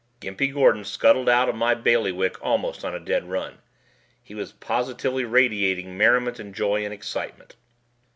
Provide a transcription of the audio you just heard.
Gimpy Gordon scuttled out of my bailiwick almost on a dead run. He was positively radiating merriment and joy and excitement.